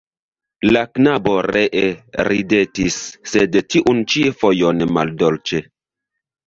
La knabo ree ridetis, sed tiun ĉi fojon maldolĉe.